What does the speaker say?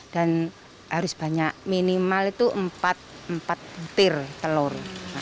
dan harus banyak minimal itu empat butir telur